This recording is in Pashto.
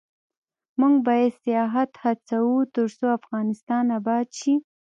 موږ باید سیاحت هڅوو ، ترڅو افغانستان اباد شي.